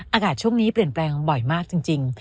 อากาศช่วงนี้เปลี่ยนแปลงบ่อยมากจริง